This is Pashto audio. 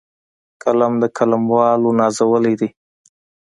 قلم د قلموالو نازولی دی